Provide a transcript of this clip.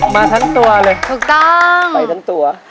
มาทั้งตัวเลยไปทั้งตัวถูกต้อง